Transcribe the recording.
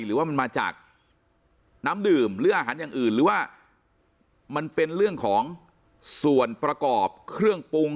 หรือว่ามันมาจากน้ำดื่มหรืออาหารอย่างอื่นหรือว่ามันเป็นเรื่องของส่วนประกอบเครื่องปรุง